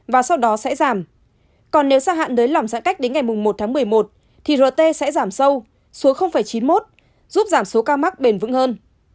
và sau đó sẽ giảm còn nếu gia hạn nới lỏng giãn cách đến ngày một tháng một mươi một thì rt sẽ giảm sâu xuống chín mươi một giúp giảm số ca mắc bền vững hơn